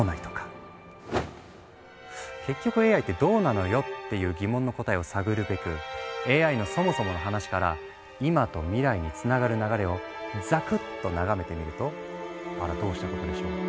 結局ＡＩってどうなのよ？っていう疑問の答えを探るべくＡＩのそもそもの話から今と未来につながる流れをざくっと眺めてみるとあらどうしたことでしょう。